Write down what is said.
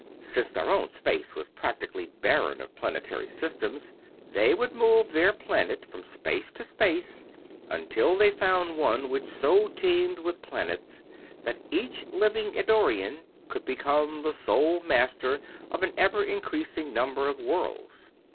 Since their own space was practically barren of planetary systems, they would move their planet from space to space until they found one which so teemed with planets that each living Eddorian could become the sole Master of an ever increasing number of worlds.